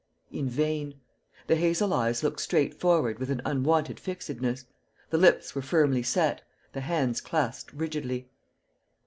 In vain; the hazel eyes looked straight forward with an unwonted fixedness, the lips were firmly set, the hands clasped rigidly.